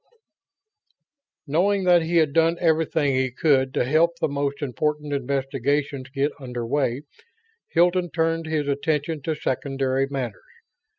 VII Knowing that he had done everything he could to help the most important investigations get under way, Hilton turned his attention to secondary matters.